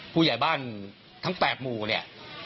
ผู้ใหญ่บ้านทั้ง๘หมู่เนี่ย